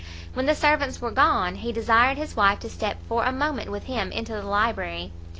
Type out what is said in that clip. When the servants were gone, he desired his wife to step for a moment with him into the library.